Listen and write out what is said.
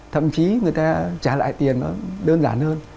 thậm chí người ta trả lại tiền nó đơn giản hơn